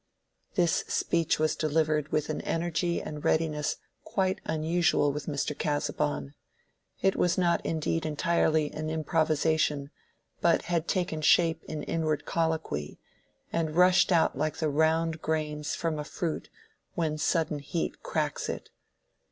This speech was delivered with an energy and readiness quite unusual with Mr. Casaubon. It was not indeed entirely an improvisation, but had taken shape in inward colloquy, and rushed out like the round grains from a fruit when sudden heat cracks it.